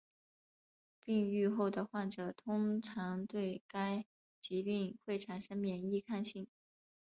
病愈后的患者通常对该疾病会产生免疫抗性。